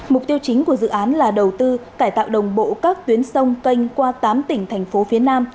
mục tiêu chính của dự án là đầu tư cải tạo đồng bộ các tuyến sông canh qua tám tỉnh thành phố phía nam